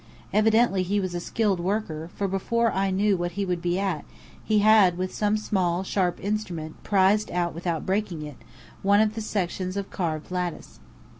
Evidently he was a skilled worker, for before I knew what he would be at, he had with some small, sharp instrument, prized out without breaking it, one of the sections of carved lattice.